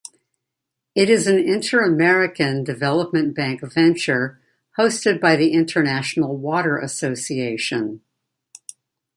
It is an Inter-American Development Bank venture, hosted by the International Water Association.